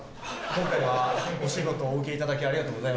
今回はお仕事お受けいただきありがとうございます。